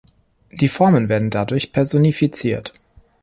Die Formen werden dadurch personifiziert.